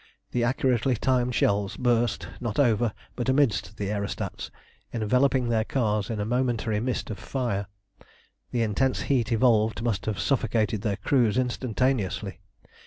The accurately timed shells burst, not over, but amidst the aerostats, enveloping their cars in a momentary mist of fire. The intense heat evolved must have suffocated their crews instantaneously.